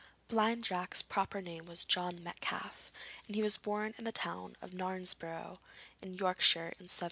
Blind Jack's proper name was John Metcalfe, and he was born in the town of Knaresborough in Yorkshire, in 1717.